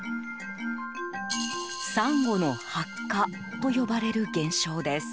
サンゴの白化と呼ばれる現象です。